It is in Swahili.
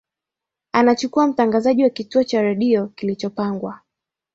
anachukua mtangazaji wa kituo cha redio kilichopangwa